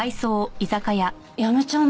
辞めちゃうの？